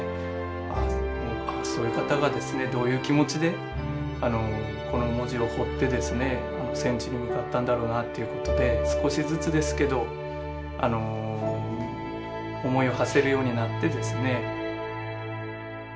ああそういう方がですねどういう気持ちでこの文字を彫って戦地に向かったんだろうなということで少しずつですけど思いをはせるようになってですね。